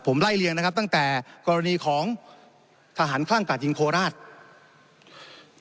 ผมไล่เลียงนะครับตั้งแต่กรณีของทหารคลั่งกาดยิงโคราช